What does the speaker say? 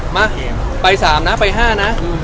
มาไปสามนะไปห้านะ